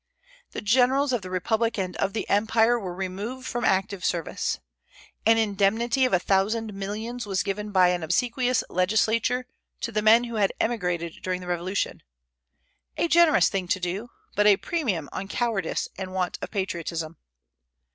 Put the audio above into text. The generals of the republic and of the empire were removed from active service. An indemnity of a thousand millions was given by an obsequious legislature to the men who had emigrated during the Revolution, a generous thing to do, but a premium on cowardice and want of patriotism.